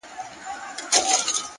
نیک اخلاق خاموشه درناوی زېږوي,